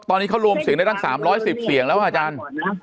ตอนนี้เขารวมเสียงได้ตั้ง๓๑๐เสียงแล้วค่ะอาจารย์